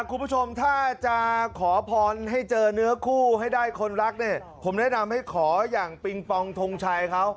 คุณผู้ชมถ้าจะขอพรให้เจอเนื้อคู่ให้ได้คนรักเนี่ยผมแนะนำให้ขออย่างปิงปองทงชัยเขา